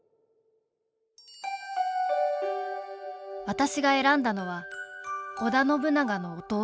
私が選んだのは織田信長の弟